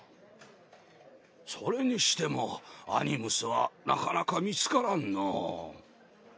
それにしてもアニムスはなかなか見つからんのう。